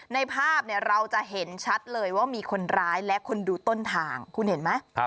ในภาพเราจะเห็นชัดเลยว่ามีคนร้ายและคนดูต้นทางคุณเห็นไหม